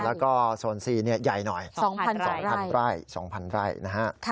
แล้วก็โซนซีเนี่ยใหญ่หน่อยสองพันไร่สองพันไร่สองพันไร่นะฮะ